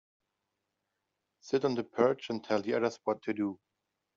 Sit on the perch and tell the others what to do.